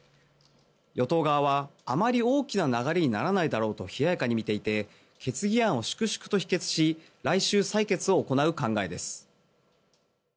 与党側は、あまり大きな流れにならないだろうと冷ややかに見ていて決議案を粛々と否決し来週、採決を行う考えです。